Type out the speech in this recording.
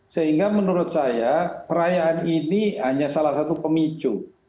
sehingga menurut saya perayaan ini hanya salah satu pemicu